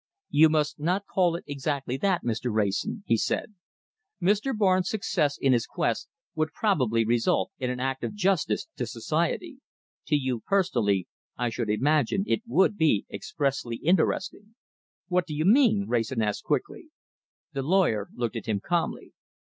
"You must not call it exactly that, Mr. Wrayson," he said. "Mr. Barnes' success in his quest would probably result in an act of justice to society. To you personally, I should imagine it would be expressly interesting." "What do you mean?" Wrayson asked, quickly. The lawyer looked at him calmly.